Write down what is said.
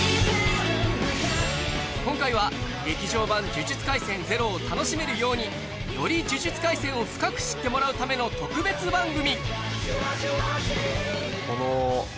今回は「劇場版呪術廻戦０」を楽しめるようにより「呪術廻戦」を深く知ってもらうための特別番組